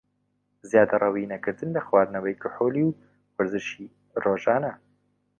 زیادەڕەوی نەکردن لە خواردنەوەی کحولی و وەرزشی رۆژانە